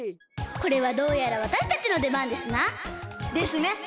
これはどうやらわたしたちのでばんですな！ですね！